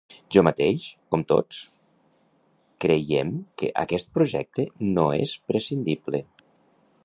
Jo mateix, com tots, creiem que aquest projecte no és prescindible.